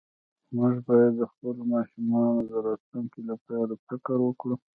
مونږ باید د خپلو ماشومانو د راتلونکي لپاره فکر وکړو